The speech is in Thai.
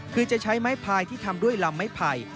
คือจะใช้ไม้พายที่ทำด้วยลำไม้ไผ่